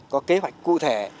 có kế hoạch cụ thể